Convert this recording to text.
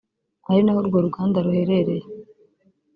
ari naho urwo ruganda ruherereye